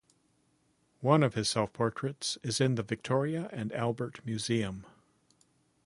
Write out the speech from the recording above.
One of his self-portraits is in the Victoria and Albert Museum.